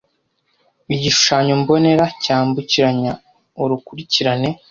Igishushanyo mbonera cyambukiranya Urukurikirane